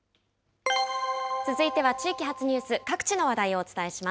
続いては地域発ニュース、各地の話題をお伝えします。